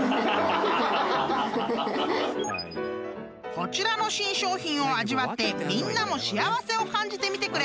［こちらの新商品を味わってみんなも幸せを感じてみてくれ！］